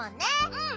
うん。